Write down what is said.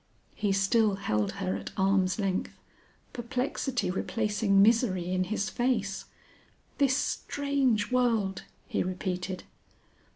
He still held her at arm's length, perplexity replacing misery in his face. "This strange world!" he repeated.